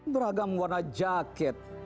beragam warna jaket